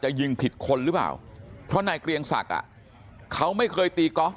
จะยิงผิดคนหรือเปล่าเพราะใดเกรียงสรรค์เขาไม่เคยตีกอล์ฟ